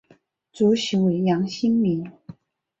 主席为杨新民。